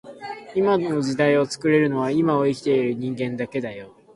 今の時代を作れるのは今を生きている人間だけだよ